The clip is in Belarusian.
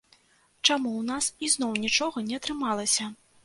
Чаму ў нас ізноў нічога не атрымалася.